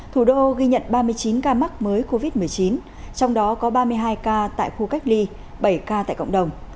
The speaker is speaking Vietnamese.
thủ đô ghi nhận ba mươi chín ca mắc mới covid một mươi chín trong đó có ba mươi hai ca tại khu cách ly bảy ca tại cộng đồng